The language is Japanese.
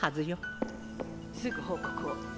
・すぐ報告を。